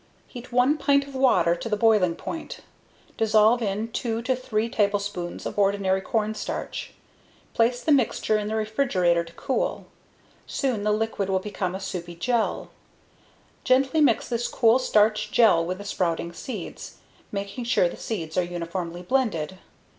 Heat one pint of water to the boiling point. Dissolve in 2 to 3 tablespoons of ordinary cornstarch. Place the mixture in the refrigerator to cool. Soon the liquid will become a soupy gel. Gently mix this cool starch gel with the sprouting seeds, making sure the seeds are uniformly blended.